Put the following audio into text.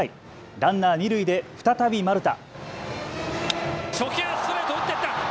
ランナー二塁で再び丸田。